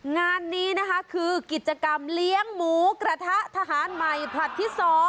งานนี้นะคะคือกิจกรรมเลี้ยงหมูกระทะทหารใหม่ผลัดที่๒